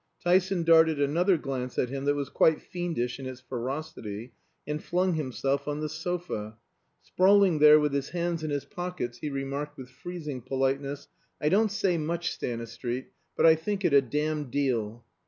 Tyson darted another glance at him that was quite fiendish in its ferocity, and flung himself on the sofa. Sprawling there with his hands in his pockets, he remarked with freezing politeness, "I don't say much, Stanistreet, but I think a damned deal."